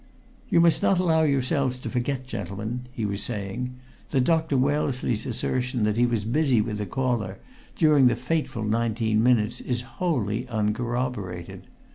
"You must not allow yourselves to forget, gentlemen," he was saying, "that Dr. Wellesley's assertion that he was busy with a caller during the fateful nineteen minutes is wholly uncorroborated.